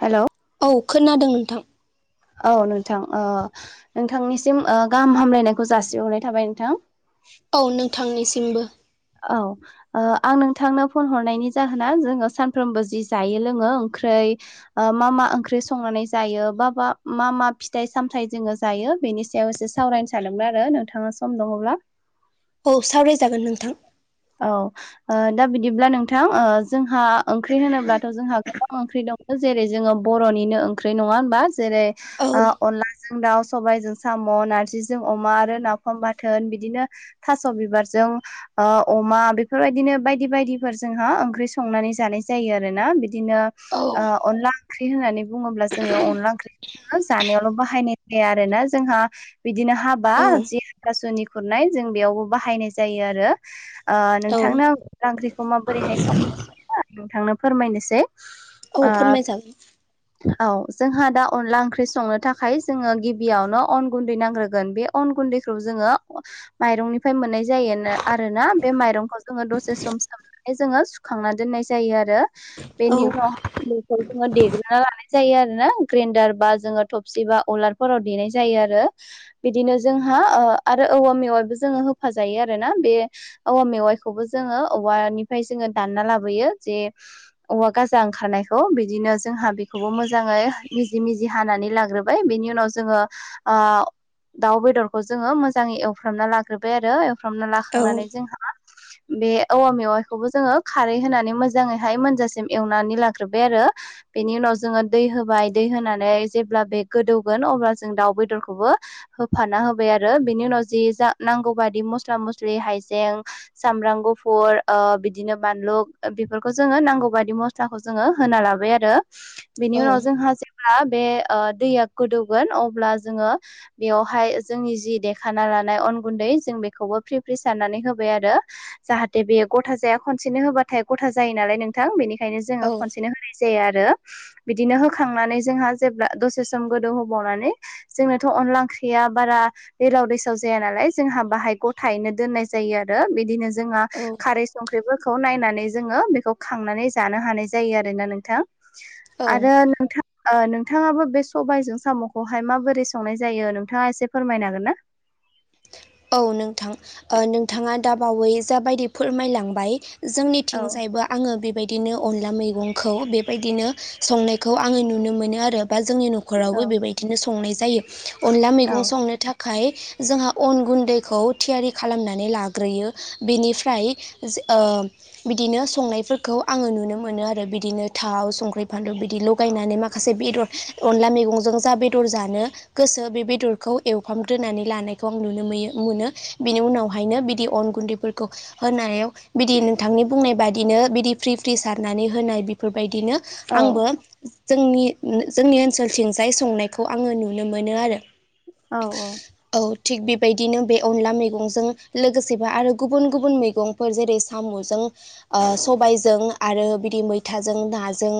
Hello. अ खोनादों नोंथां। औ नोंथां अ नोंथांनिसिम ओ गाहाम हामलायनायखौ जासिहरनाय थाबाय नोंथां। औ नोंथांनिसिमबो। औ ओ आं नोंथांनो फन हरनायनि जाहोना जोङो सानफ्रोमबो जि जायो लोङो ओंख्रै ओ मा मा ओंख्रि संनानै जायो बा बा मा मा फिथाइ सामथाइ जोङो जायो बेनि सा बेयाव एसे सावरायनो सानदोंमोन आरो नोंथाङा सम दङब्ला। औ सावरायजागोन नोंथां। औ ओ दा बिदिब्ला नोंथां ओ जोंहा ओंख्रि होनोब्लाथ' जोंहा गोबां ओंख्रि दङ जेरै जोङो बर'निनो ओंख्रि नङा होनबा जेरै औ ओ अनला जों दाउ, सबायजों साम', नारजिजों अमा आरो नाफाम बाथोन बिदिनो थास' बिबारजों दों ओ अमा बेफोरबायदिनो बायदि बायदिफोर जोंहा ओंख्रि संनानै जानाय जायो आर ना बिदिनो औ ओ अनला ओंख्रि होननानै बुङोब्ला जोङो अनला ओंख्रि ओ जानायावल' बाहायनाय जाया आरो ना जोंहा बिदिनो हाबा औ जि हाथासुनि खुरनाय जों बेयावबो बाहायनाय जायो आरो ओ औ नोंथांनो आं अनला ओंख्रिखौ माबोरैहाय संङो नोंथांनो फोरमायनोसै। औ ओ फोरमायजागोन। औ जोंहा दा अनला ओंख्रि संनो थाखाय जोङो गिबियावनो अन गुन्दै नांग्रोगोन बे अन गुन्दै। बेखौ जोंङो माइरंनिफ्राय मोननाय जायो ना आरोना बे माइरंखौ जोङो दसे सम सोमनानै जोङो सुखांना दोननाय जायो आरो औ बेनि उनाव बेफोरखौ जोङो देग्रोना लानाय जायो आरो ना ग्रेन्डार बा जोङो थबसि बा उलारफोराव देनाय जायो‌। आरो बिदिनो जोंहा ओ आरो औवा मेवायबो जोङो होफाजायो आरोना बे औवा मेवाइखौबो जोङो औवानिफ्राय जोङो दानना लाबोयो जे औवा गाजा ओंखारनाय बेखौ बिदिनो जोंहा बेखौबो मोजाङै मिजि मिजि हानानै लाग्रोबाय बेनि उनाव जोङो ओ दाउ बेदरखौ जोङो मोजाङै एवफ्रामना लाग्रोबाय आरो एवफ्रामना औ लाखांनानै जोंहा बे औवा मेवाइखौबो जोङो खारै होनानै मोजाङैहाय मोनजासिम एवनानै लाग्रोबाय आरो हो बेनि उनाव जोङो दै होबाय दै होनानै जेब्ला बे गोदौगोन अब्ला जों दाउ बेदरखौ बोहोफाना होबाय आरो बेनि उनाव जि जा नांगौ बाददि मस्ला मस्लि हाइजें सामब्राम गुफुर ओ बिदिनो बानलु बेफोरखौ जोङो नांगौ बायदि मस्लाखौ जोङो हो होनालाबाय आरो बिनि उनाव जोंहा जेब्ला बे ओ दैया गोदौगोन अब्ला जोङो बेवहाय जोंनि जि देखाना लानाय अन गुन्दै जों बेखौबो फ्रि फ्रि सारनानै होब बाय आरो जाहाथे बेयो गथा जाया खनसेनो होबाथाय गथा जायो नालाय नोंथां बेनि खायनो जोङो औ खनसेनो होनाय जायो आरो। बिदिनो होखांनानै जोंहा जेब्ला दसे सम गोदौ होबावनानै जोंनोथ' अनला ओंख्रिया बारा दैलाव दैसाव जाया नालाय जोंहा बाहाय गथायैनो दोननाय जायो आ रो बिदिनो जोंहा औ खारै संख्रिबो खौ नायनानै जोङो बेखौ खांनानै जानो हानाय जायो आरोना नोंथां। औ आरो नोंथा ओ नों थाङाबो बे सबायजों साम'खौहाय माबोरै संनाय जायो नोंथाङा एसे फोरमायनो हागोन ना? औ नोंथां ओ नोंथाङा दाबावै जाबायदि फोरमायलांबाय औ जोंनिथिंजायबो आङो बेबाय दिनो अनला मैगंखौ बेबायदिनो संनायखौ आङो नुनो मोनो आरो बा जोंनि ननि औ खरावबो बेबायदिनो संनाय जायो अनला औ मैगं संनो थाखाय जोंहा अन गुन्दैखौ थियारि खालामनानै लाग्रोयो बेनिफ्राय ओ बिदिनो संनायफोरखौ आङो नुनो मोनो आरो बिदिनो थाव संख्रि फानलु बिदि लगायनानै माखासे बेदर अनला मेगंजों जा बेदर जानो गोसो बे बेदरखौ एवफाम दोनानै लानायखौ आं नुनो मैयो मोनो बिनि उनावहायनो बिदि अन गुन्दैफोरखौ होनायाव बिदि नोंथांनि बुंनाय बादिनो बिदि फ्रि फ्रि सारनानै होनाय बिफोरबायदिनो औ आंबो जोंनि जोंनि ओनसोलथिंजाय संनायखौ आङो नुनो मोनो आरो। औ औ थिक बि बेदिनो बे अनला मैगंजों लोगोसेबा आरो गुबुन गुबुन मैगंफोर जेरै साम'जों ओ सबायजों आरो बिदि मैथाजों नाजों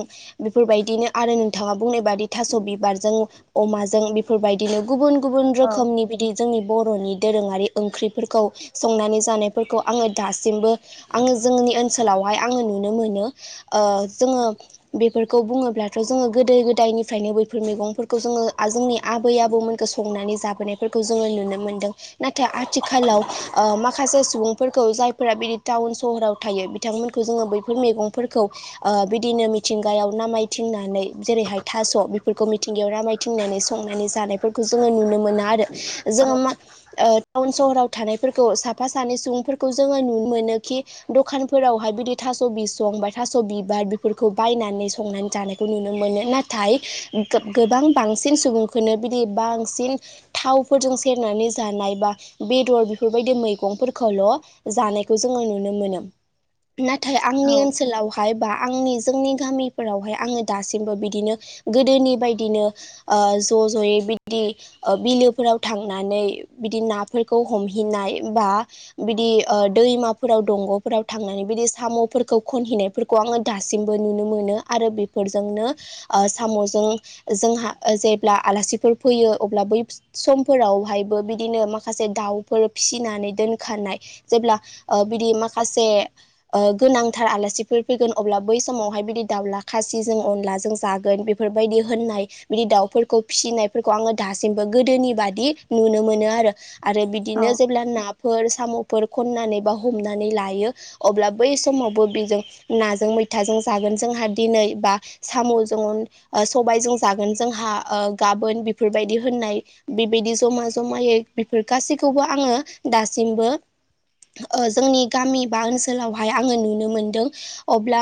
बिफोरबायदिनो आरो नोंथाङा बुंनाय बादि थास' बिबारजों अमाजों बेफोरबायदिनो गुबुन गुबुन रोखोमनि बिदि जोंनि बर'नि दोरोङारि ओंख्रिफोरखौ संनानै जानायफोरखौ आङो दासिमबो आङो जोंनि ओनसोलावहाय आङो नुनो मोनो ओ जोङो बेफोरखौ बुङोब्लाथ' जोङो गोदो गोद दायनिफ्रायनो बैफोर मैगंफोरखौ जोङो जोंनि आबै आबौमोनखो संनानै जाबोनायफोरखौ जोङो नुनो मोनदों नाथाय आथिखालाव माखासे सुबुंफोरखौ जायफोरा बिदि टाउन सहराव थायो बिथांमोनखौ जोङो बैफोर मैगंफोरखौ ओ बिदिनो मिथिंगायाव नामायथिंना नानै जेरैहाय थास' बेफोरखौ मिथिंगायाव रामायथिंनानै संनानै जानायफोरखौ जोङो नुनो मो मोना आरो जोङो‌ औ मा ओ थावन सहराव थानायफोरखौ साफा सानै सुबुंफोरखौ जोङो नु मोनो खि दखान फोरावहाय बिदि थास' बिसं बा थास' बिबार बिफोरखौ बायना नानै संनानै जानायखौ नुनो मोनो नाथाय गोबां बांसिन सुबुंखोनो बिदि बां सिन थावफोरजों सेरनानै जानाय बा बेदर बिफोरबायदि मैगंफोरखौल' जानायखौ जोङो नुनो मोनो। नाथाय आंनि औ ओनसोलावहाय बा आंनि जोंनि गामिफोरावहाय आङो दासिमबो बिदिनो गोदोनि बायदिनो ओ ज' ज'यै बिदि इ ओ बिलोफोराव थांनानै बिदि नाफोरखौ हमहैनाय बा बिदि ओ दैमाफोराव दंग'फोराव थांनानै बिदि साम'फोरखौ खनहैनायफोरखौ आङो दासिमबो नुनो मोनो आरो बिफोरजोंनो ओ सा म'जों जोंहा जेब्ला आलासिफोर फैयो अब्ला बै समफोरावहायबो बि दिनो माखासे दाउफोर फिसिनानै दोनखानाय जेब्ला ओ बिदि माखासे ओ गोनांथार आलासिफोर फैगोन अब्ला बै समावहाय बिदि दाउला खासि जों अनला जों जागोन बे फोरबायदि होननाय बिदि दाउफोरखौ फिसिनायफोरखौ आङो दासिमबो गोदोनि बादि नुनो मोनो आ आरो आरो बिदिनो औ जेब्ला ना फोर साम'फोर खननानै बा हमनानै लायो अब्ला बै समावबो बिजों नाजों मैथाजों जागोन जोंहा दिनै बा साम'जों ओ सबायजों जागोन जोंहा ओ गाबोन बेफोरबायदि होननाय बेबायदि जमा जमायै बेफोर गासैखौबो आङो दासिमबो ओ जोंनि गामि बा ओनसोलावहाय आङो नुनो मोनदों अब्ला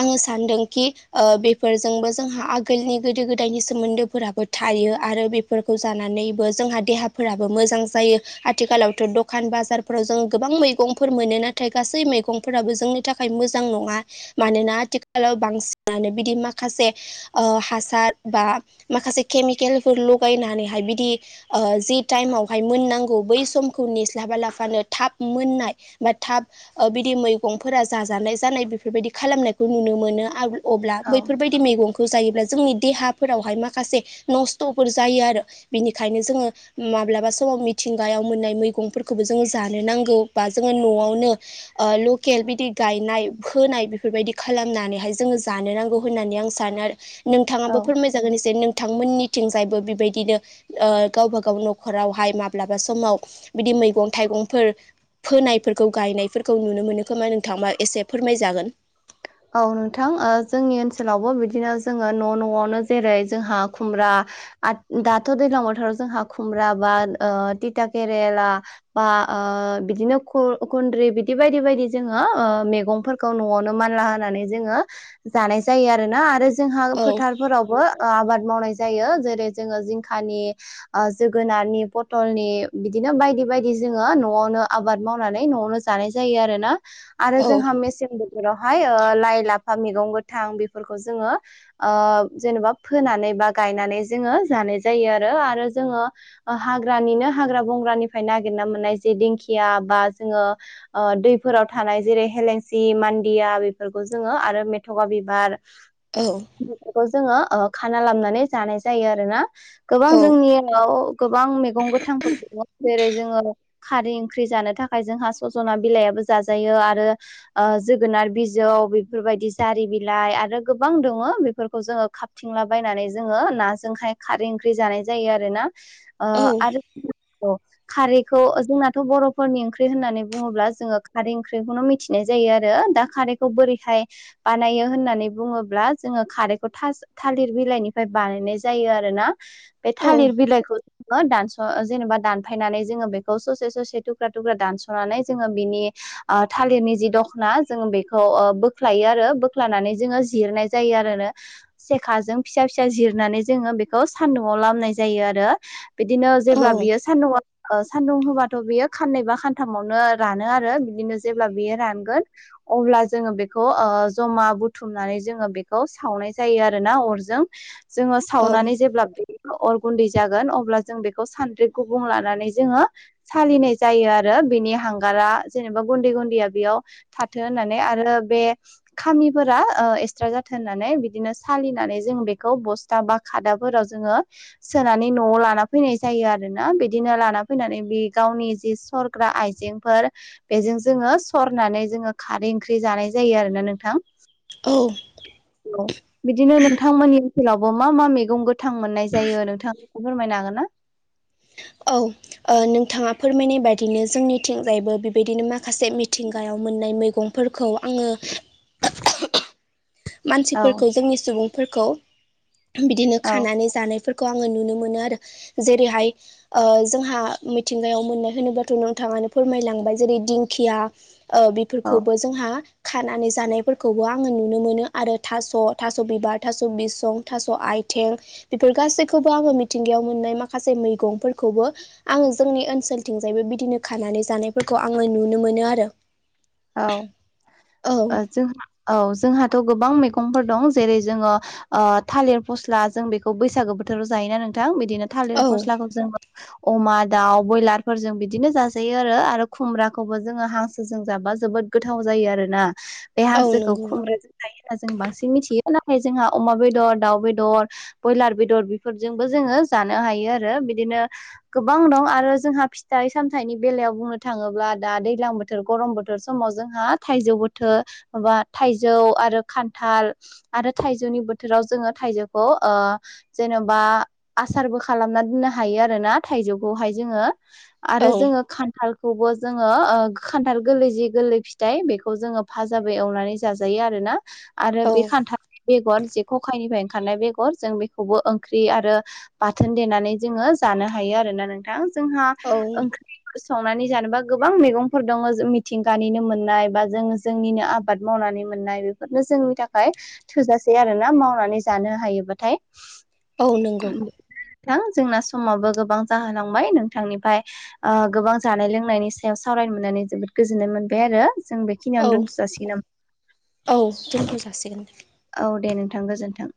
आङो सान्दों मोनखि ओ बेफोरजोंबो जोंहा आगोलनि गोदो गोदायनि सोमोन्दो फोराबो थायो आरो बेफोरखौ जानानैबो जोंहा देहाफोराबो मोजां जां जायो आथिखालावथ' दखान बाजारफोराव जों गोबां मैगंफोर मोनो नाथाय गासै मैगंफोराबो जोंनि थाखाय मोजां नङा मानोना आथिखालाव बांसिनानो बिदि माखासे ओ हासार बा माखासे केमिकेलफोर लगायनानैहाय बिदिओ जि टाइमाव हाय मोननांगौ बै समखौ नेस्लाबालाफानो थाब मोननाय बा थाब ओ बिदि मैगं गंफोरा जाजानाय जानाय बेफोरबायदि खालामनायखौ नुनो मोनो आ अब्ला औ बैफोरबायदि मैगंखौ जायोब्ला जोंनि देहाफोरावहाय माखासे नस्थ'फोर जायो आरो बिनिखायनो जोङो माब्लाबा समाव मिथिंगायाव मोननाय मैगंफोरखौबो जोङो जानो नांगौ बा जोङो न'आवनो ओ लकेल बे बिदि गायनाय फोनाय बेफोरबायदि खालामनानैहाय जोङो जानो नांगौ होननानै आं सानो आरो। औ नोंथाङाबो फोरमाय जागोन एसे नोंथांमोननिथिंजायबो बेबायदिनो ओ गावबा गाव न'खरावहाय माब्लाबा समाव बिदि मैगं थाइगंफोर फोनायफोरखौ गायनायफोरखौ नुनो मोनो खोमा नोंथां मा एसे फोरमायजागोन। औ नोंथां ओ जोंनि ओनसोलावबो बिदिनो जोङो न' न'आवनो जेरै जोंहा खुमब्रा आ दाथ' दैज्लां बोथोराव जोंहा खुमब्रा बा थिथा केरेला बा ओ बिदिनो खु-खुन्द्रि बिदि बायदि बायदि जोङो मैगंफोरखौ न'आवनो मानला होनानै जोङो जानाय जायो आरोना आरो जोंहा औ फोथारफोरावबो ओ आबाद मावनाय जायो जेरै जोङो जिंखानि ओ जोगोनारनि, पटलनि बिदिनो बायदि बायदि जोङो न'आवनो आबाद मावनानै न'आवनो जानाय जायो आरो ना। आरो औ जोंहा मेसें बोथोरावहाय ओ लाइ लाफा मैगं गोथां बेफोरखौ जोङो ओ जेनेबा फोनानै बा गायना नै जोङो जानाय जायो आरो। आरो जोङो हाग्रानिनो हाग्रा बंग्रानिफ्राय नागिरना मोननाय खायसे दिंखिया बा जोङो ओ दैफोराव थानाय जेरै हेलेंसि मान्दिया बे फोरखौ जोङो आरो मेथ'खा बिबार औ बेफोरखौ जोङो ओ खाना लाबोनानै जानाय जायो आरो ना। गोबां औ जोंनियाव गोबां मैगं गोथांफोर दङ जेरै जोङो खारै ओंख्रि जानो थाखाय जोंहा सजना बिलाइआबो जाजायो आरो ओ जोगोनार बि जौ बेफोरबायदि जारि बिलाइ आरो गोबां दङ बेफोरखौ जोङो खाबथिंलाबायनानै जोङो नाजोंहाय खारै ओंख्रि जानाय जायो आरोना। ओ औ आरो औ खारैखौ जोंनाथ' बर'फोरनि ओंख्रि होननानै बुङोब्ला जोङो खारै ओंख्रिखौनो मिथिनाय जायो आरो। दा खारै खौ बोरैहाय बानायो होननानै बुङोब्ला जोङो खारैखौ थास' थालिर बिलाइनिफ्राय बानाय नाय जायो आरोना। बे औ थालिर बिलाइखौ दानस' जेनेबा दानफायनानै जोङो बेखौ ससे ससे थुख्रा थुख्रा दानस'नानै जोङो बिनि ओ थालिरनि जि दख'ना जों बे खौ ओ बोख्लायो आरो बोख्लनानै जोङो जिरनाय जायो आरोना सेखाजों फिसा फिसा जिर नानै जोङो बेखौ सान्दुंआव लामनाय जायो आरो बिदिनो औ जेब्ला बियो सान्दुंआव ओ सान्दुं होबाथ' बियो खाननै बा खानथामावनो रानो आरो बिदिनो जेब्ला बियो रानगोन अब्ला जोङो बेखौ ओ जमा बुथुमनानै जोङो बेखौ सावनाय जायो आरोना अरजों। जोङो सावनानै जेब्ला बे अर गुन्दै जागोन अब्ला जों बेखौ सानद्रि गुबुं लानानै जोङो सालिनाय जायो आरो बिनि हांगारा जेनेबा गुन्दै गुन्दैया बेयाव था थो होननानै आरो बे खामिफोरा एक्सत्रा जाथों होननानै बिदिनो सालिनानै जों बे खौ बसथा बा खादाफोराव जोङो सोनानै न'आव लाना फैनाय जायो आरोना। बिदिनो ला ना फैनानै बे गावनि जि सरग्रा आइजेंफोर बेजों जोङो सरनानै जोङो खारै ओंख्रि जानाय जायो आरो ना नोंथां। औ औ बिदिनो नोंथांमोननि ओनसोलावबो मा मा मैगं गोथां मोननाय जायो नोंथांआ फोरमायनो हागोन ना? औ ओ नोंथाङा फोरमायनाय बादिनो जोंनिथिंजायबो बेबायदिनो माखासे मिथिंगायाव मोननाय मैंगफोरखौ आङो औ मानसिफोरखौ जोंनि सुबुंफोरखौ बिदिनो औ खानानै जानायफोर खौ आङो नुनो मोनो आरो जेरैहाय ओ जोंहा मिथिंगायाव मोननाय होनोबाथ' नोंथाङा नो फोरमायलांबाय जेरै दिंखिया ओ औ बेफोरखौबो जोंहा खानानै जानायफोरखौबो आङो नुनो मोनो आरो थास' थास' बिबार, थास' बिसं, थास' आइथिं बेफोर गासैखौबो आङो मिथिंगायाव मोननाय माखासे मैगंफोरखौबो आङो जोंनि ओनसोलथिंजायबो बिदिनो खानानै जानायफोरखौ आं ङो नुनो मोनो आरो। औ औ ओ जोंहा औ जोंहा थ' गोबां मैगंफोर दं जेरै जोङो ओ थालिर फस्ला जों बेखौ बैसागो बोथोराव जायोना नोंथां बे दिनो थालिर औ फस्लाखौ जोङो अमा दाउ बयलारफोरजों बिदिनो जाजायो आरो, आरो खुमब्राखौबो जोङो हांसोजों जाबा जोबोद गोथाव जायो आरोना बे औ हांसोखौ नंगौ खुमब्राजों जायो। जों बांसिन मिथियो नाथाय जोंहा अमा बेदर, दाउ बेदर, बयलार बेदर बेफोरजोंबो जोङो जानो हायो आरो बिदिनो गोबां दं आरो जोंहा फिथाइ सामथाइनि बेलायाव बुंनो थाङोब्ला दा दैज्लां बोथोर गरम बो थोर समाव जोंहा थाइजौ बोथो माबा थाइजौ आरो खान्थाल आरो थाइजौ नि बोथोराव जोङो थाइजौखौ ओ जेन'बा आसारबो खालामना दोननो हायो आरोना। ना थायजौखौहाय जोङो आरो औ जोङो खानथालखौबो जोङो ओ खानथाल गोरलै जि गोरलै फिथाइ बेखौ जोङो भाजाबो एवनानै जाजायो आरोना। आरो औ बे खान्थाल बेगर जे ख'खायनिफ्राय ओंखारनाय बेगर जों बेखौबो ओंख्रि आरो बाथोन देनानै जोङो जानो हायो आरो ना नोंथां जोंहा औ ओंख्रि संनानै जानोबा गोबां मैगंफोर दङ जोंनि मिथिंगानिनो मोननाय बा जों जोंनिनो आबाद मावनानै मोननाय बेफोरनो जोंनि थाखाय थोजा से आरो ना मावनानै जानो हायोबाथाय। औ नंगौ। नोंथां जोंना समाबो गोबां जाहोनांबाय नोंथांनिफ्राय ओ गोबां जानाय लोंनायनि सायाव सावरायनो मोननानै जोबोद गोजोननाय मोनबाय आरो। जों औ बेखिनियावनो दोनथ' जासिगोन नामा औ दोनथ' जासिगोन औ दे नों थां गोजोन्थों।